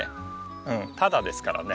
うんただですからね。